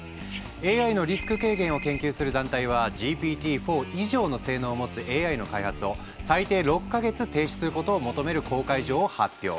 ＡＩのリスク軽減を研究する団体はＧＰＴ−４以上の性能を持つＡＩの開発を最低６か月停止することを求める公開状を発表。